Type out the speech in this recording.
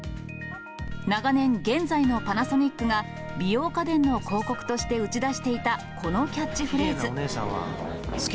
長年、現在のパナソニックが美容家電の広告として打ち出していたこのキャッチフレーズ。